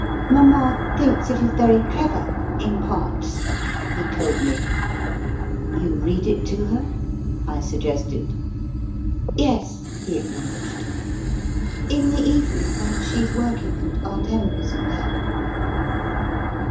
Mama thinks it is very clever in parts, he told me. 1 You read it to her ? I suggested. Yes, he acknowledged, in the evening, when she s working, and Aunt Emma isn t there.